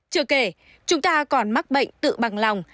chưa kể chúng ta còn mắc bệnh tự bằng lòng